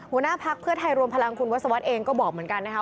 หัวหน้าพักเพื่อไทยรวมพลังคุณวัศวรรษเองก็บอกเหมือนกันนะคะ